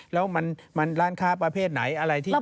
แล้วมันร้านค้าประเภทไหนอะไรที่